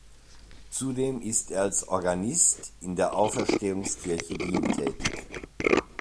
Zudem ist er als Organist in der Auferstehungskirche Wien tätig.